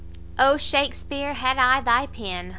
O, Shakespear! had I thy pen!